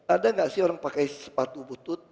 ada nggak sih orang pakai sepatu butut